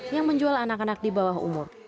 yang menjual anak anak di bawah umur